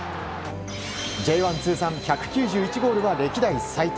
Ｊ１通算１９１ゴールは歴代最多。